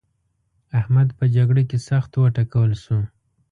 احمد په جګړه کې سخت وټکول شو.